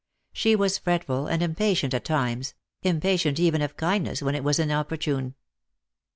She was fretful and impatient at times, impatient even of kindness when it was inopportune.